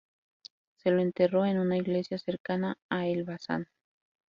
Se lo enterró en una iglesia cercana a Elbasan.